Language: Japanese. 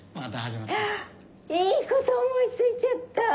いいこと思いついちゃった。